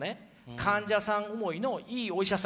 患者さん思いのいいお医者さん。